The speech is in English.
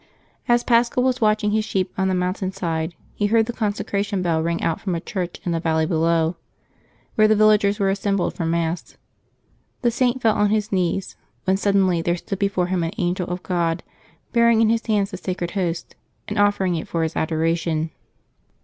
As Paschal was watching his sheep on the mountain side, he heard the consecration bell ring out from a church in the valley below, where the villagers wer e assembled for Mass. The Saint fell on his knees, when suddenly there stood before him an angel of €rod, bearing in his hands the Sacred Host, and offering it for his adoration.